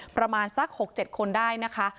ประมาณสัก๖๗คนได้นะคะ